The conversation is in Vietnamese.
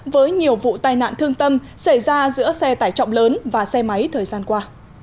với nhiều vụ tai nạn thương tâm xảy ra giữa xe tải trọng lớn và xe máy thời gian qua